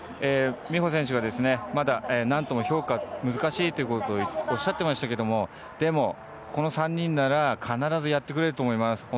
美帆選手がまだなんとも評価、難しいとおっしゃってましたけどでも、この３人なら必ず、やってくれると思います。